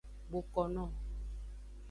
Bokono.